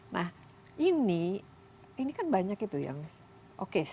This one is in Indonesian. nah ini ini kan banyak itu yang oke